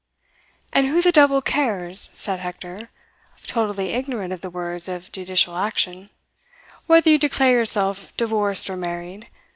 "And who the devil cares," said Hector, totally ignorant of the words of judicial action, "whether you declare yourself divorced or married?